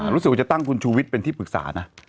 รู้สึกว่าจะตั้งคุณชูวิทย์เป็นที่ปรึกษานะ